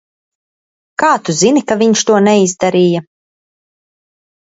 Kā tu zini, ka viņš to neizdarīja?